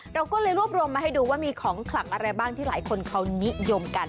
เราก็เลยรวบรวมมาให้ดูว่ามีของขลังอะไรบ้างที่หลายคนเขานิยมกัน